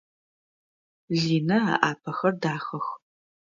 Линэ ыӏапэхэр дахэх.